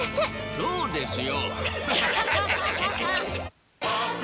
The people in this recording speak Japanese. そうですよ。